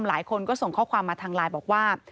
หลายคนก็ส่งข้อความมาทางไลน์บอกว่า